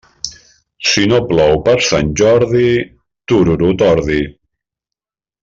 Si no plou per Sant Jordi, tururut ordi.